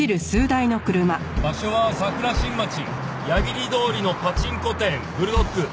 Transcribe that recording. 場所は桜新町矢切通りのパチンコ店ブルドッグ。